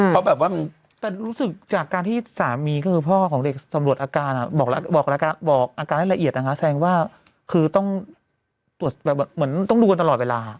เพราะแบบว่ามันแต่รู้สึกจากการที่สามีก็คือพ่อของเด็กตำรวจอาการบอกอาการให้ละเอียดนะคะแซงว่าคือต้องตรวจแบบเหมือนต้องดูกันตลอดเวลา